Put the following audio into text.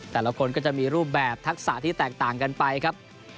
แต่ละคนก็จะมีรูปแบบทักษะที่แตกต่างกันไปครับ